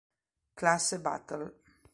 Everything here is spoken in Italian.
Classe Battle